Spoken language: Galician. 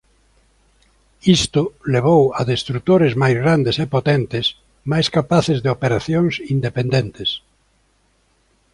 Isto levou a destrutores máis grandes e potentes máis capaces de operacións independentes.